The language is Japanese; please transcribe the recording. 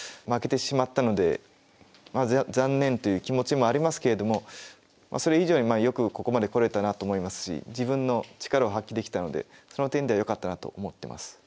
負けてしまったのでまあ残念という気持ちもありますけれどもそれ以上によくここまでこれたなと思いますし自分の力を発揮できたのでその点ではよかったなと思ってます。